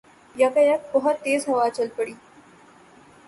یکایک بہت تیز ہوا چل پڑی